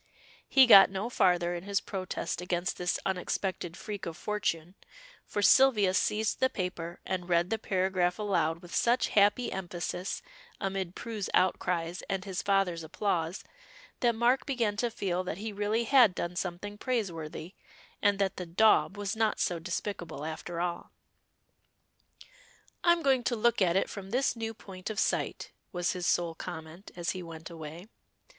He got no farther in his protest against this unexpected freak of fortune, for Sylvia seized the paper and read the paragraph aloud with such happy emphasis amid Prue's outcries and his father's applause, that Mark began to feel that he really had done something praiseworthy, and that the "daub" was not so despicable after all. "I'm going to look at it from this new point of sight," was his sole comment as he went away.